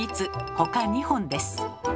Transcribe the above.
ほか２本です。